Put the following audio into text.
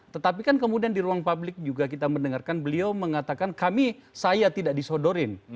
tetapi kan kemudian di ruang publik juga kita mendengarkan beliau mengatakan kami saya tidak disodorin